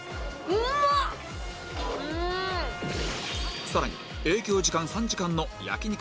うんさらに営業時間３時間の焼肉